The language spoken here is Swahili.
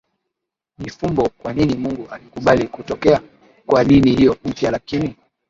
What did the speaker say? ni fumbo kwa nini Mungu alikubali kutokea kwa dini hiyo mpya Lakini